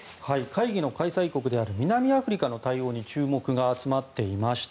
会議の開催国である南アフリカの対応に注目が集まっていました。